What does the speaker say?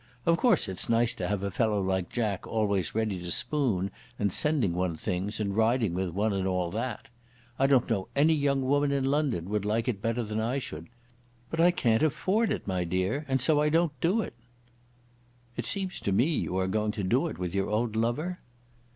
Of course it's nice to have a fellow like Jack always ready to spoon, and sending one things, and riding with one, and all that. I don't know any young woman in London would like it better than I should. But I can't afford it, my dear, and so I don't do it." "It seems to me you are going to do it with your old lover?"